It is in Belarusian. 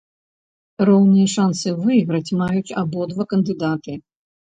Роўныя шанцы выйграць маюць абодва кандыдаты.